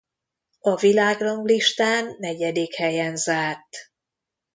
A világranglistán negyedik helyen zárt.